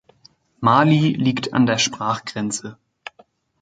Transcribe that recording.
Marly liegt an der Sprachgrenze.